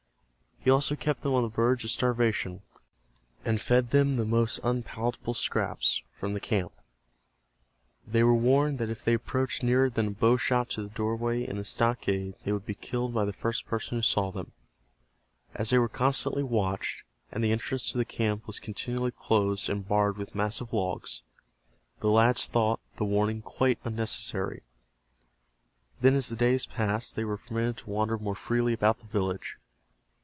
He also kept them on the verge of starvation, and fed them with the most unpalatable scraps from the camp. They were warned that if they approached nearer than a bow shot to the doorway in the stockade they would be killed by the first person who saw them. As they were constantly watched, and the entrance to the camp was continually closed and barred with massive logs, the lads thought the warning quite unnecessary. Then as the days passed they were permitted to wander more freely about the village.